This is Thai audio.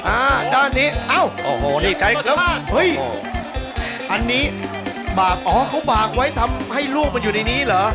อ้าด้านนี้อ้าวอันนี้บากอ๋อเขาบากไว้ทำให้ลูกมันอยู่ในนี้เหรอ